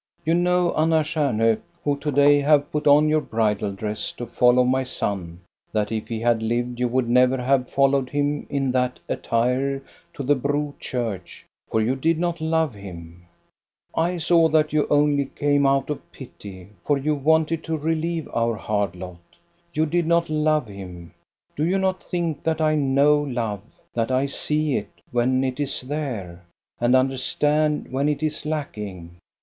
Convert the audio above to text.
" You know, Anna Stjamhok, who to day have put on your bridal dress to follow my son, that if he had lived you would never have followed him in that attire to the Bro church, for you did not love him. " I saw that you only came out of pity, for you wanted to relieve our hard lot. You did not love him. Do you not think that I know love, that I see it, when it is there, and understand when it is lack ing.